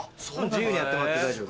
自由にやってもらって大丈夫。